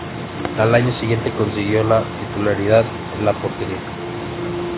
Al año siguiente consiguió la titularidad en la portería.